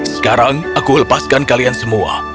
sekarang aku akan melepaskan kalian semua